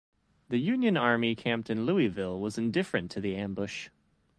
The Union army camped in Louisville was indifferent to the ambush.